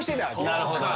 なるほど。